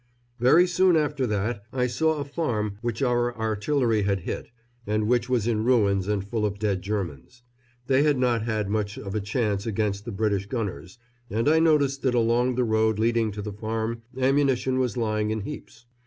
Very soon after that I saw a farm which our artillery had hit, and which was in ruins and full of dead Germans. They had not had much of a chance against the British gunners, and I noticed that along the road leading to the farm ammunition was lying in heaps.